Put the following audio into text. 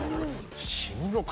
「死ぬのか！